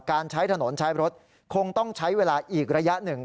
การใช้ถนนใช้รถคงต้องใช้เวลาอีกระยะหนึ่ง